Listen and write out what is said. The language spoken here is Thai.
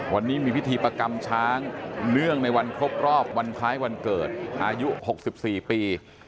วันนี้มีพิธีประกรรมช้างเนื่องในวันครบรอบวันคล้ายวันเกิดอายุ๖๔ปี